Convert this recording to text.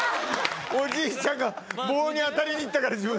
おじいちゃんが棒に当たりに行ったから自分で。